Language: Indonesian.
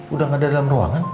udah gak ada dalam ruangan